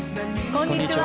こんにちは。